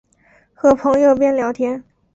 和朋友边聊天